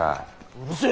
うるせえ！